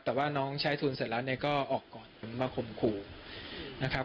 แต่ว่าน้องใช้ทุนเสร็จแล้วเนี่ยก็ออกก่อนมาข่มขู่นะครับ